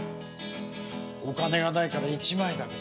お金がないから１枚だけど。